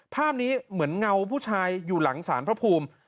ภาพนี้เหมือนเงาผู้ชายอยู่หลังสารพระภูมิ